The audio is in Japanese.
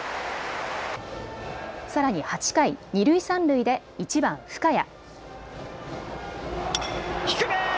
さらに８回、二塁三塁で１番・深谷。